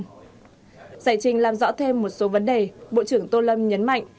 giải trình làm rõ thêm một số vấn đề bộ trưởng tô lâm nhấn mạnh